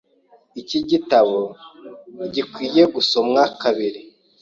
Iki gitabo gikwiye gusoma kabiri.